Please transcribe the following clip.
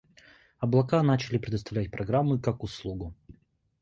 Облака начали предоставлять программы как услугу.